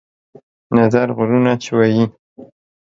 نظر غرونه چوي